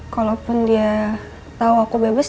kalaupun dia tahu aku bebas